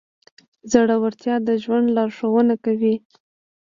زړهورتیا د ژوند لارښوونه کوي.